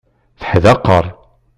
Teḥdaqer.